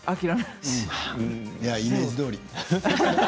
いやあ、イメージどおり。